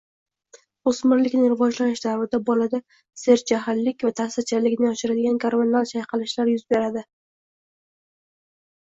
O‘smirlikning rivojlanish davrida bolada serjahllik va ta’sirchanlikni oshiradigan gormonal chayqalishlar yuz beradi.